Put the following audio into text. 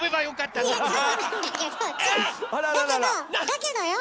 よかったよ。